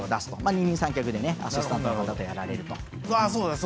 二人三脚でアシスタントの方とやられると。